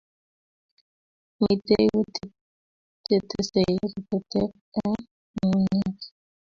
Mitei kutit che tesei rutotet eng ngungunyek